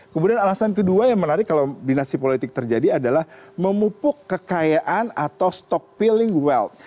kemudian alasan kedua yang menarik kalau dinasti politik terjadi adalah memupuk kekayaan atau stock feeling wealth